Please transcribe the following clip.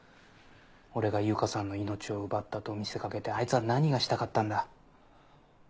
俺が悠香さんの命を奪ったと見せかけてあいつは何がしたかったんだ？